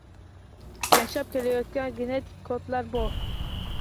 Yashab kelayotgan genetik kodlar bor.